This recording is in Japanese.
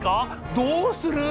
どうする？